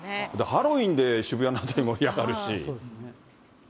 ハロウィーンで渋谷の辺り盛り上がるし。